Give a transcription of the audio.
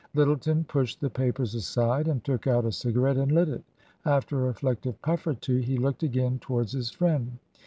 Lyttleton pushed the papers aside and took out a cigarette and lit it. After a reflective puff or two he looked again towards his friend.